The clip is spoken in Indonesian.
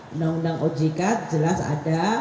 undang undang ojk jelas ada